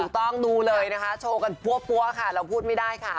ต้องดูเลยนะคะโชว์กันปั้วค่ะเราพูดไม่ได้ค่ะ